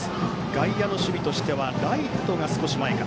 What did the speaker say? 外野の守備としてはライトが少し前か。